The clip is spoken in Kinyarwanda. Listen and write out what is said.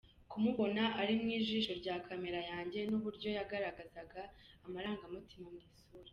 kumubona ari mu ijisho rya camera yanjye, n’uburyo yagaragazaga amarangamutima mu isura.